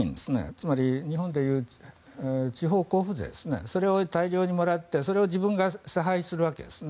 つまり日本でいう地方交付税を大量にもらってそれを自分が差配するわけです。